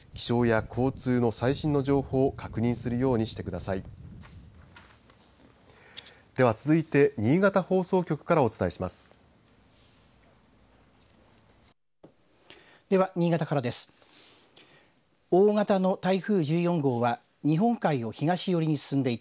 気象や交通の最新の情報確認するようにしてください。